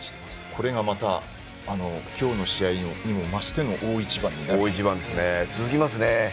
これがまた今日の試合にも増しての大一番が続きますね。